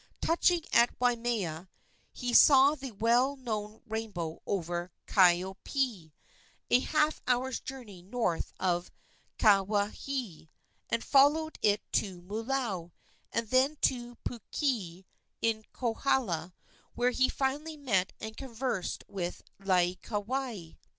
Touching at Waimea, he saw the well known rainbow over Kaiopae, a half hour's journey north of Kawaihae, and followed it to Moolau, and then to Puakea, in Kohala, where he finally met and conversed with Laieikawai.